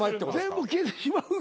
全部消えてしまう。